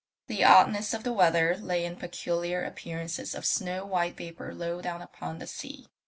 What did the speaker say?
The oddness of the weather lay in peculiar appearances of snow white vapour low down upon the sea.